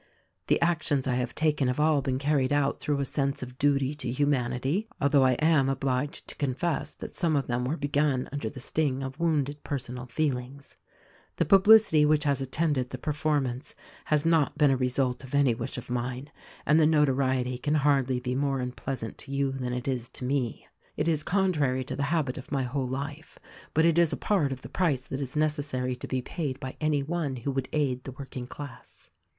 "The actions I have taken have all been carried out through a sense of duty to' humanity, although I am obliged to confess that some of them were begun under the sting of wounded personal feelings. "The publicity which has attended the performance has not been a result of any wish of mine — and the notoriety THE RECORDING ANGEL 135 can hardly be more unpleasant to you than it is to me. It is contrary to the habit of my whole life; but it is a part of the price that is necessary to be paid by any one who would aid the working class.